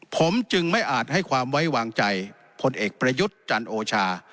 ผมจึงไม่อาจให้ความไว้วางใจพลเอกประยุทธ์จันโอชา